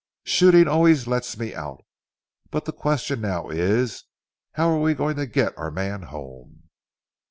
Shooting always lets me out. But the question now is, How are we going to get our man home?"